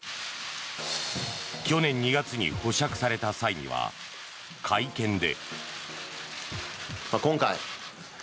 去年２月に保釈された際には会見で。